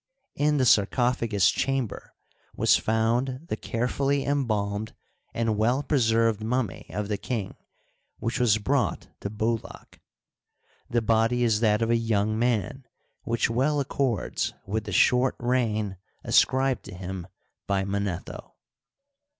In the sarcophagus chamber was found the carefully embalmed and well preserved mummy of the king, which was brought to Boulaq. The body is that of a young man, which well accords with the short reign ascribed to him by Manetho.